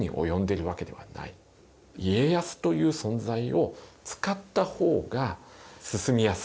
家康という存在を使った方が進みやすいと。